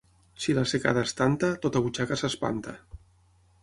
Si la secada és tanta, tota butxaca s'espanta.